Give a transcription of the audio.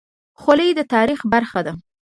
خولۍ د تاریخ برخه ده.